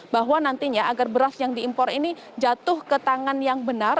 bahwa nantinya agar beras yang diimpor ini jatuh ke tangan yang benar